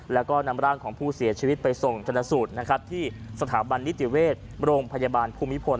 แล้วก็นำร่างของผู้เสียชีวิตไปส่งชนสูตรนะครับที่สถาบันนิติเวชโรงพยาบาลภูมิพล